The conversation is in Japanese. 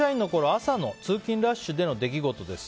朝の通勤ラッシュでの出来事です。